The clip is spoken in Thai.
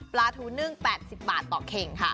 ปลาทูนึ่ง๘๐บาทต่อเข่งค่ะ